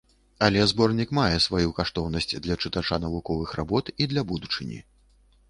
Але зборнік мае сваю каштоўнасць для чытача навуковых работ і для будучыні.